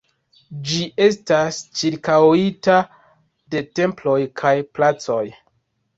Ĝi estas ĉirkaŭita de temploj kaj placoj.